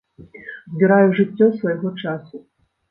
Збіраю жыццё свайго часу.